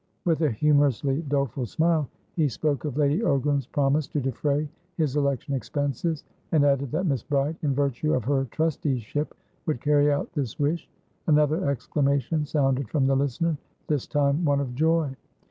With a humorously doleful smile, he spoke of Lady Ogram's promise to defray his election expenses, and added that Miss Bride, in virtue of her trusteeship, would carry out this wish. Another exclamation sounded from the listener, this time one of joy.